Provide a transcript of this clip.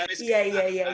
tapi banyak yang mengatakan